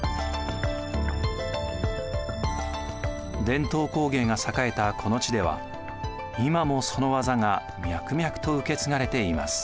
伝統工芸が栄えたこの地では今もその技が脈々と受け継がれています。